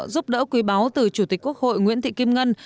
giúp đỡ quý báo từ chủ tịch quốc hội nguyễn thị kim ngân